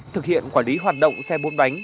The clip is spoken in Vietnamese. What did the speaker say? thực hiện quản lý hoạt động xe bốn bánh